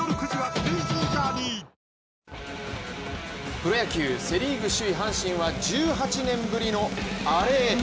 プロ野球、セリーグ首位・阪神は１８年ぶりのアレへ。